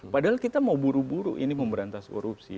padahal kita mau buru buru ini memberantas korupsi